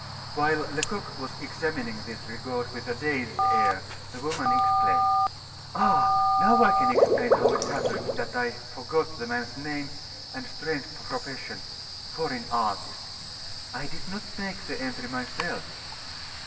While Lecoq was examining this record with a dazed air, the woman exclaimed: "Ah! now I can explain how it happened that I forgot the man's name and strange profession 'foreign artist.' I did not make the entry myself."